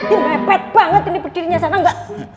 dia lepet banget ini berdirinya sana ga